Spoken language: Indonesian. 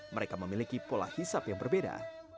mereka memiliki pola hisap yang berbeda